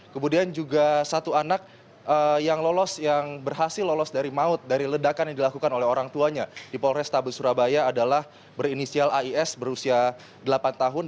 kemudian juga satu anak yang lolos yang berhasil lolos dari maut dari ledakan yang dilakukan oleh orang tuanya di polrestabes surabaya adalah berinisial ais berusia delapan tahun